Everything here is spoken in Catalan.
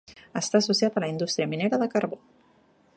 Està associat a la indústria minera de carbó.